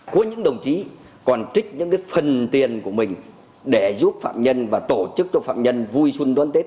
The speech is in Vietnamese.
có những đồng chí còn trích những phần tiền của mình để giúp phạm nhân và tổ chức cho phạm nhân vui xuân đón tết